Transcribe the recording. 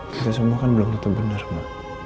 kita semua kan belum tetap benar ma